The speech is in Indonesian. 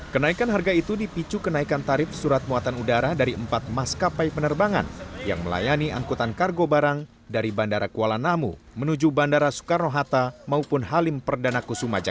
kenaikan harga itu dipicu kenaikan tarif surat muatan udara dari empat maskapai penerbangan yang melayani angkutan kargo barang dari bandara kuala namu menuju bandara soekarno hatta maupun halim perdana kusuma jakarta